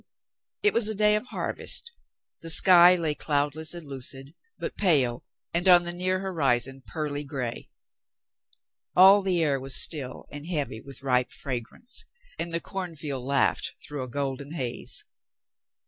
It was a day of harvest. The sky lay cloudless and lucid, but pale and on the near horizon pearly gray. All the air was still and heavy with ripe fragrance and the cornfield laughed through a gold en haze.